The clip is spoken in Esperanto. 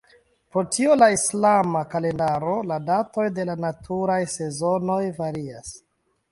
Pro tio la islama kalendaro la datoj de la naturaj sezonoj varias.